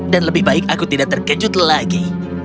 dan lebih baik aku tidak terkejut lagi